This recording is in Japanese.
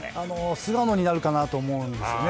菅野になるかなと思うんですね。